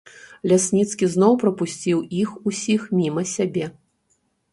Лясніцкі зноў прапусціў іх усіх міма сябе.